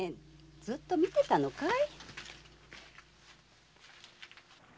ずっと見てたのかい？